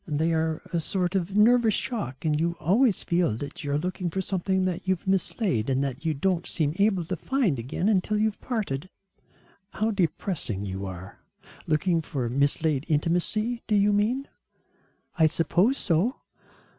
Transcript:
They are a sort of nervous shock and you always feel that you are looking for something that you've mislaid and that you don't seem able to find again until you've parted." "How depressing you are. Looking for mislaid intimacy, do you mean?" "I suppose so."